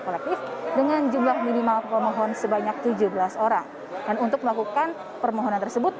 kolektif dengan jumlah minimal pemohon sebanyak tujuh belas orang dan untuk melakukan permohonan tersebut